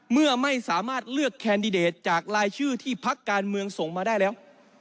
เมื่อไม่สามารถเลือกแคนดิเดตจากรายชื่อที่พักการเมืองส่งมาได้แล้ว